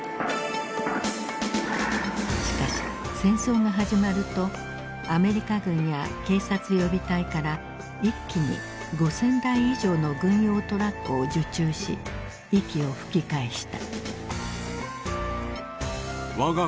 しかし戦争が始まるとアメリカ軍や警察予備隊から一気に５，０００台以上の軍用トラックを受注し息を吹き返した。